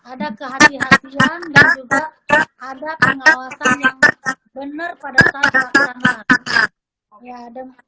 ada kehatian dan juga ada pengawasan yang benar pada saat perjalanan